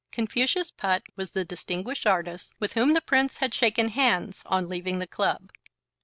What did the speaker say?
Confucius Putt was the distinguished artist with whom the Prince had shaken hands on leaving the club.